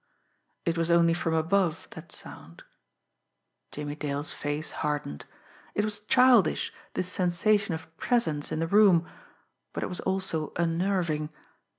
_ It was only from above, that sound. Jimmie Dale's face hardened. It was childish, this sensation of presence in the room; but it was also unnerving.